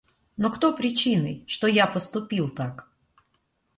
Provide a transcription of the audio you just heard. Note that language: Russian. Но кто причиной, что я поступил так?